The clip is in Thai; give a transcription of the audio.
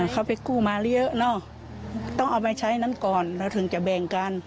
เขาไปกู้มาเยอะเนอะต้องเอาไปใช้นั้นก่อนเราถึงจะแบ่งกัน